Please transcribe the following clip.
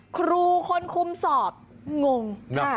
ครูคนคุมสอบงง